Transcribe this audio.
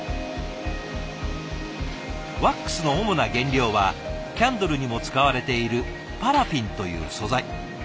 ワックスの主な原料はキャンドルにも使われているパラフィンという素材。